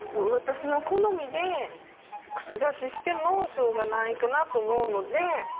私の好みで口出ししてもしょうがないかなと思うので。